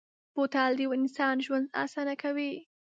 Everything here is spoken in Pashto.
بوتل د یو انسان ژوند اسانه کوي.